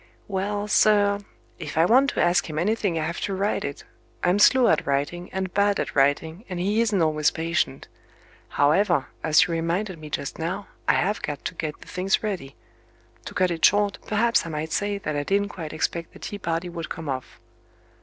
"Well, sir, if I want to ask him anything I have to write it. I'm slow at writing, and bad at writing, and he isn't always patient. However, as you reminded me just now, I have got to get the things ready. To cut it short, perhaps I might say that I didn't quite expect the tea party would come off."